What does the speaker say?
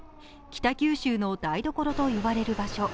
北九州の台所と呼ばれる場所。